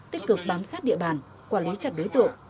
tích cực bám sát địa bàn quản lý chặt đối tượng